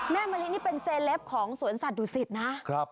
แม่มะลินี่เป็นเซเลปของสวนสัตว์ดุสิตนะ